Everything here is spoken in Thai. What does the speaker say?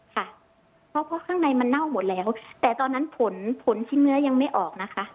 ค่ะเพราะข้างในมันเน่าหมดแล้วแต่ตอนนั้นผลผลชิ้นเนื้อยังไม่ออกนะคะ